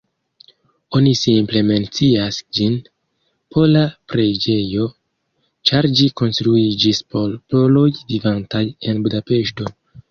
Oni simple mencias ĝin "pola preĝejo", ĉar ĝi konstruiĝis por poloj vivantaj en Budapeŝto.